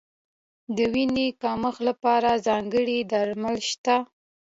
د وینې کمښت لپاره ځانګړي درمل شته.